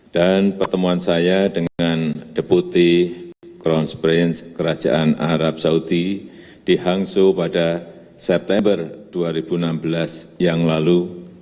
dan pertemuan saya dengan deputi crown prince kerajaan arab saudi di hangzhou pada september dua ribu enam belas yang lalu